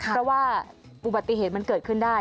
เพราะว่าอุบัติเหตุมันเกิดขึ้นได้